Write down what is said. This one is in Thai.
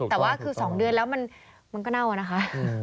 แต่ว่าคือ๒เดือนแล้วมันก็เน่าอะนะคะ